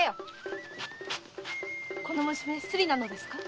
この娘スリなのですか？